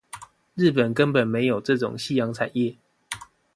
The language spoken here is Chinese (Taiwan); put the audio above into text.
日本根本沒有這種夕陽產業